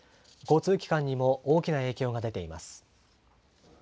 交通機関にも大きな影響が出ています。